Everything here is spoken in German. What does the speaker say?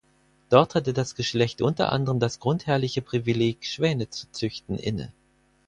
Dort hatte das Geschlecht unter anderem das grundherrliche Privileg Schwäne zu züchten inne.